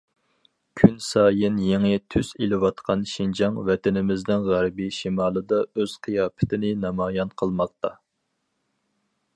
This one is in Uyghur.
كۈنسايىن يېڭى تۈس ئېلىۋاتقان شىنجاڭ ۋەتىنىمىزنىڭ غەربىي شىمالىدا ئۆز قىياپىتىنى نامايان قىلماقتا.